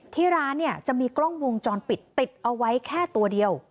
ที่ร้านเนี่ยจะมีกล้องวงจรปิดติดเอาไว้แค่ตัวเดียว